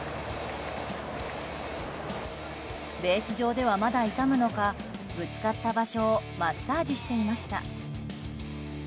ベース上では、まだ痛むのかぶつかった場所をマッサージしていました。